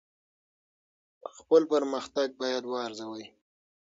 خپل پرمختګ باید وارزوئ.